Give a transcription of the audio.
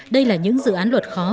đây là những dự án luật khó